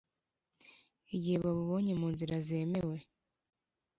Igihe babubonye mu nzira zemewe